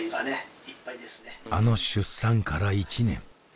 あの出産から１年。